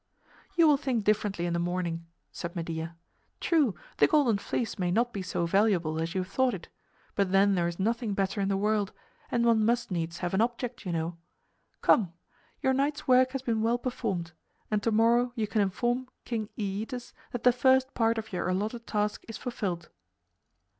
"You will think differently in the morning," said Medea. "True, the Golden Fleece may not be so valuable as you have thought it; but then there is nothing better in the world, and one must needs have an object, you know. Come! Your night's work has been well performed; and tomorrow you can inform King Æetes that the first part of your allotted task is fulfilled."